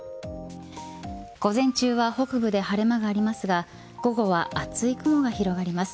午前中は北部で晴れ間がありますが午後は厚い雲が広がります。